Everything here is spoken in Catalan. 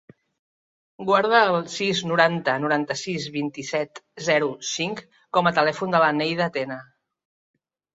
Guarda el sis, noranta, noranta-sis, vint-i-set, zero, cinc com a telèfon de la Neida Tena.